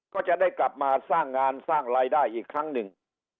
ก็จะได้กลับมาสร้างงานสร้างรายได้อีกครั้งหนึ่ง